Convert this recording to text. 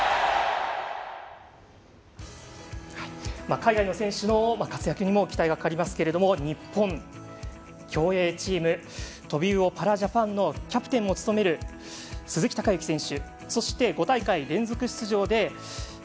海外の選手の活躍にも期待がかかりますけど日本、競泳チームトビウオパラジャパンのキャプテンを務める鈴木孝幸選手。